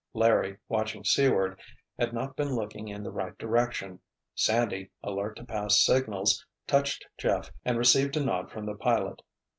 Larry, watching seaward, had not been looking in the right direction. Sandy, alert to pass signals, touched Jeff and received a nod from the pilot.